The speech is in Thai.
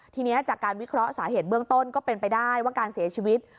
ทีนี้จากการวิเคราะห์สาเหตุเบื้องต้นก็เป็นไปได้ว่าการเสียชีวิต